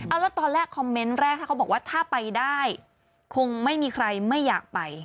เอาแล้วตอนแรกคอมเมนต์แรกถ้าเขาบอกว่าถ้าไปได้คงไม่มีใครไม่อยากไป